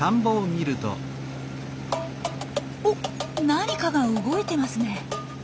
おっ何かが動いてますね。